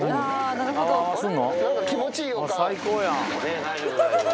なんか気持ちいい予感。